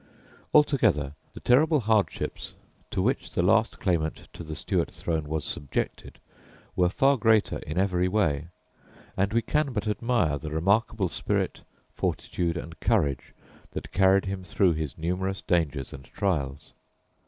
Altogether, the terrible hardships to which the last claimant to the Stuart throne was subjected were far greater in every way, and we can but admire the remarkable spirit, fortitude, and courage that carried him through his numerous dangers and trials.